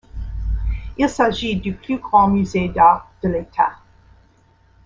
Il s'agit du plus grand musée d'art de l'État.